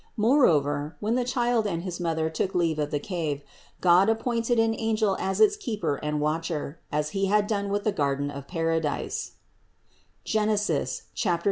Moreover, when the Child and his Mother took leave of the cave, God appointed an angel as its keeper and watcher, as He had done with the garden of Paradise (Gen. 3, 24).